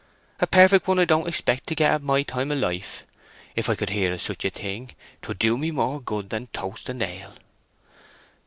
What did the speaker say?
"A perfect one I don't expect to get at my time of life. If I could hear of such a thing 'twould do me more good than toast and ale."